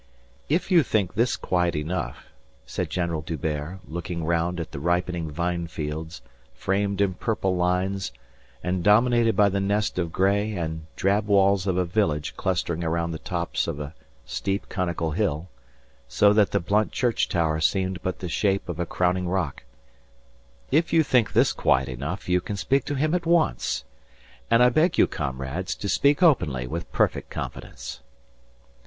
"If you think this quiet enough," said General D'Hubert, looking round at the ripening vine fields framed in purple lines and dominated by the nest of gray and drab walls of a village clustering around the top of a steep, conical hill, so that the blunt church tower seemed but the shape of a crowning rock "if you think this quiet enough you can speak to him at once. And I beg you, comrades, to speak openly with perfect confidence."